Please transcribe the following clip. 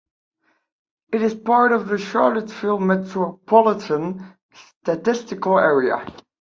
It is part of the Charlottesville Metropolitan Statistical Area.